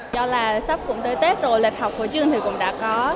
do là sắp cũng tới tết rồi lịch học của trường thì cũng đã có